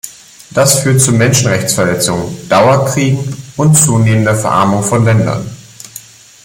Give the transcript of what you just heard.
Das führt zu Menschenrechtsverletzungen, Dauerkriegen und zunehmender Verarmung von Ländern.